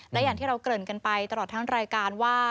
และอย่างที่เราเกริ่นกันไปตลอดทั้งรายการว่า